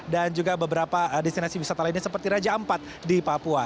dan juga beberapa destinasi wisata lainnya seperti raja ampat di papua